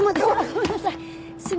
ごめんなさい！